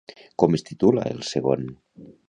Com es titula el segon?